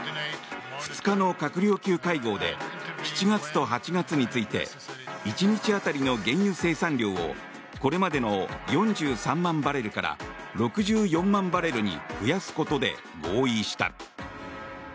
２日の閣僚級会合で７月と８月について１日当たりの原油生産量をこれまでの４３万バレルから６４万バレルに増やすことで合意した。